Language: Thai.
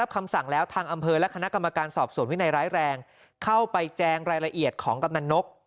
เข้าไปแจงรายละเอียดของกัปตันนก